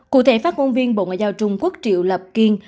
cụ thể phát ngôn viên bộ ngoại giao trung quốc triệu lập kiên